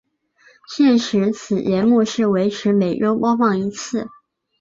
现时此节目是维持每周播放一次。